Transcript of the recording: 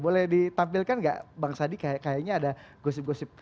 boleh ditampilkan gak bang sandi kayaknya ada gosip gosip